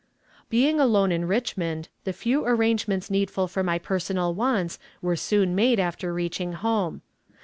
Being alone in Richmond, the few arrangements needful for my personal wants were soon made after reaching home.